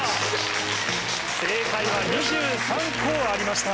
正解は２３校ありました。